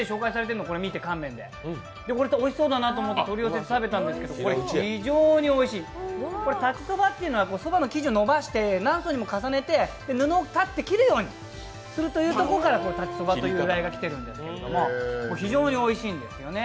これおいしそうだなと思って、取り寄せて食べたんですけど非常においしい裁ちそばというのはそばの生地を延ばして何層にも重ねて布を裁つように切るところから名前がきてるんですけど非常においしいんですよね。